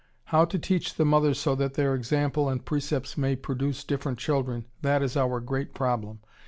How to teach the mothers so that their example and precepts may produce different children, that is our great problem.